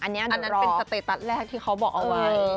อันนั้นเป็นสเตตัสแรกที่เขาบอกเอาไว้